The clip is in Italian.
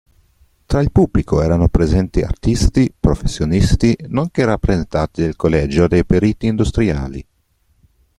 Tra il pubblico erano presenti artisti, professionisti, nonché rappresentati del Collegio dei Periti Industriali.